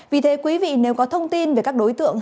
vì thế quý vị nếu có thông tin về các đối tượng